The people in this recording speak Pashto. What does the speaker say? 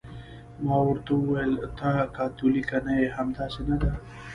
ما ورته وویل: ته کاتولیکه نه یې، همداسې نه ده؟